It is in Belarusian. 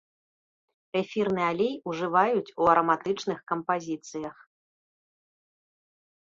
Эфірны алей ўжываюць у араматычных кампазіцыях.